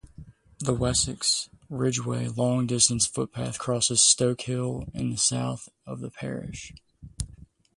The Wessex Ridgeway long-distance footpath crosses Stoke Hill in the south of the parish.